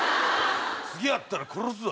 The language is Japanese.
次会ったら殺すぞ。